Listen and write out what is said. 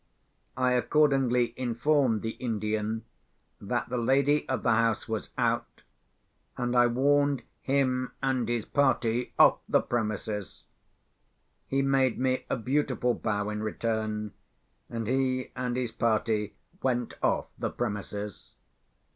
I accordingly informed the Indian that the lady of the house was out; and I warned him and his party off the premises. He made me a beautiful bow in return; and he and his party went off the premises.